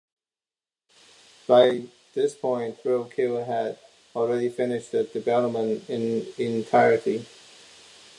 By this point "Thrill Kill" had already finished development in entirety.